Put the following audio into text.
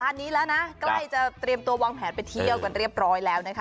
อันนี้แล้วนะใกล้จะเตรียมตัววางแผนไปเที่ยวกันเรียบร้อยแล้วนะคะ